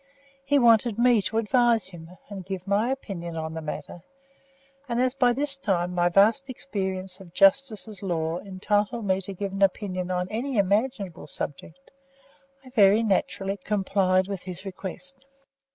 He wanted me to advise him, and give my opinion on the matter, and as by this time my vast experience of Justices' law entitled me to give an opinion on any imaginable subject, I very naturally complied with his request.